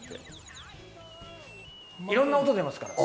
いろんな音が出ますから。